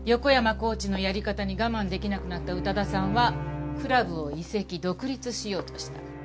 コーチのやり方に我慢できなくなった宇多田さんはクラブを移籍独立しようとした。